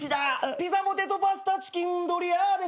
「ピザポテトパスタチキンドリアですね」